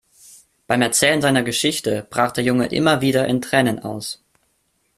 Beim Erzählen seiner Geschichte brach der Junge immer wieder in Tränen aus.